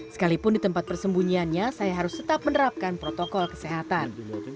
sekalipun di tempat persembunyiannya saya harus tetap menerapkan protokol kesehatan